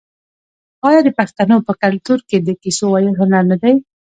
آیا د پښتنو په کلتور کې د کیسو ویل هنر نه دی؟